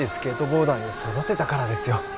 ボーダーに育てたからですよ